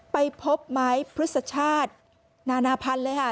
ไปพบไม้พฤษชาตินานาพันธุ์เลยค่ะ